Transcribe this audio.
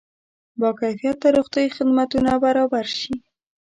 با کیفیته روغتیایي خدمتونه برابر شي.